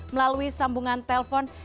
melalui sambungan telpon